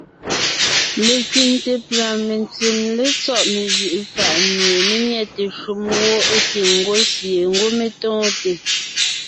Lekẅiŋte pʉ̀a mentsém létsɔ́ mejʉ’ʉ fà’ mie mé nyɛte shúm wó é piŋ ńgwɔ́ sie ńgwɔ́ mé tóonte.